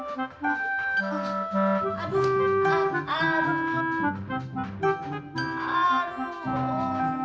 kayaknya kenapa kecapean